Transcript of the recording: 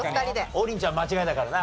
王林ちゃん間違えたからな。